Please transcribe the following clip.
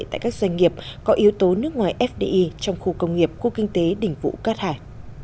tại các doanh nghiệp có yếu tố nước ngoài fdi trong khu công nghiệp của kinh tế đỉnh vũ cát hải